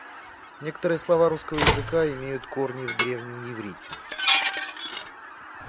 Некоторые слова русского языка имеют корни в древнем иврите.